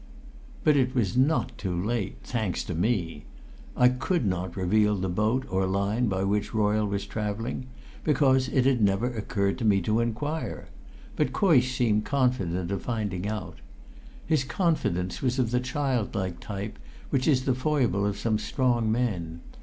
But it was not too late, thanks to me! I could not reveal the boat or line by which Royle was travelling, because it had never occurred to me to inquire, but Coysh seemed confident of finding out. His confidence was of the childlike type which is the foible of some strong men.